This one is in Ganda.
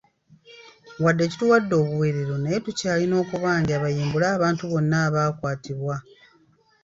Wadde kituwadde obuweerero naye tukyalina okubanja bayimbule abantu bonna abaakwatibwa.